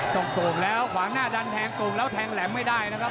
โก่งแล้วขวางหน้าดันแทงโก่งแล้วแทงแหลมไม่ได้นะครับ